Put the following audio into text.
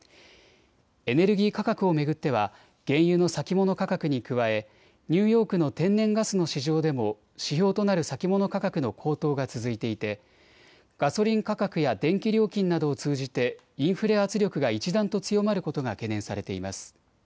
エネルギー価格を巡っては原油の先物価格に加え、ニューヨークの天然ガスの市場でも指標となる先物価格の高騰が続いていてガソリン価格や電気料金などを通じてインフレ圧力が一段と強まることが懸念されています。